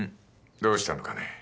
どうしたのかね？